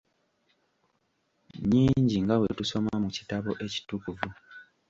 Nnyingi nga bwe tusoma mu Kitabo Ekitukuvu.